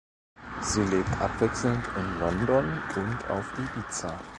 Sie lebt abwechselnd in London und auf Ibiza.